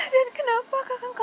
dan kenapa kakang kamandiano tiga